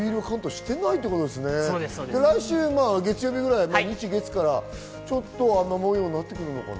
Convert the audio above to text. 来週月曜日くらい、ちょっと雨模様になってくるのかな？